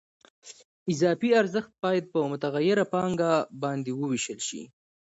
اضافي ارزښت باید په متغیره پانګه باندې ووېشل شي